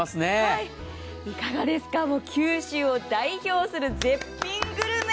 いかがですか、九州を代表する絶品グルメ。